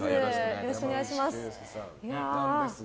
よろしくお願いします。